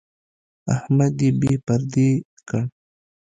احمد يې بې پردې کړ.